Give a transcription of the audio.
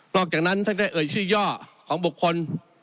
อกจากนั้นท่านได้เอ่ยชื่อย่อของบุคคล